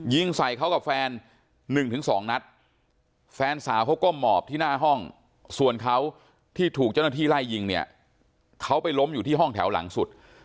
ยิงใส่เขากับแฟน๑๒นัดแฟนสาวเขาก้มหมอบที่หน้าห้องส่วนเขาที่ถูกเจ้าหน้าที่ไล่ยิงเนี่ยเขาไปล้มอยู่ที่ห้องแถวหลังสุด